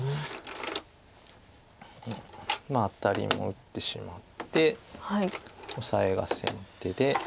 まあアタリも打ってしまってオサエが先手で。